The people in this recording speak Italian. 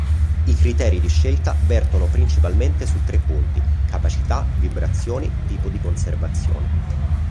I criteri di scelta vertono principalmente su tre punti: capacità, vibrazioni, tipo di conservazione.